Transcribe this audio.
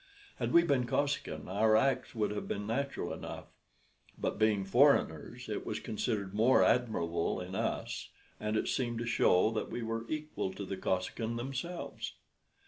Had we been Kosekin our acts would have been natural enough; but, being foreigners, it was considered more admirable in us, and it seemed to show that we were equal to the Kosekin themselves.